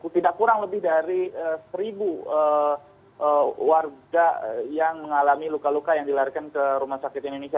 tidak kurang lebih dari seribu warga yang mengalami luka luka yang dilarikan ke rumah sakit indonesia